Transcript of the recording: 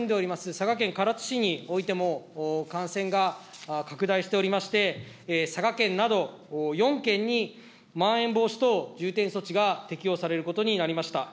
佐賀県唐津市においても、感染が拡大しておりまして、佐賀県など４県にまん延防止等重点措置が適用されることになりました。